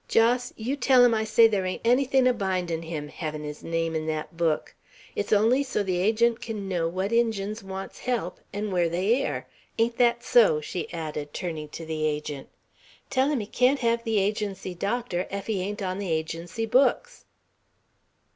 "Jos, yeow tell him I say there ain't anythin' a bindin' him, hevin' his name 'n' thet book, It's only so the Agent kin know what Injuns wants help, 'n' where they air. Ain't thet so?" she added, turning to the Agent. "Tell him he can't hev the Agency doctor, ef he ain't on the Agency books."